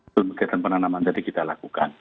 pemegatan penanaman jadi kita lakukan